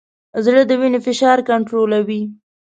زړه د وینې فشار کنټرولوي.